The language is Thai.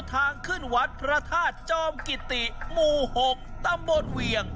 ทางขึ้นวัดพระธาตุจอมกิติหมู่๖ตำบลเวียง